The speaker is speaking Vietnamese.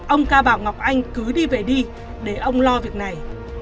ông ca bảo ngọc anh cứ đi về đi để ông lo việc này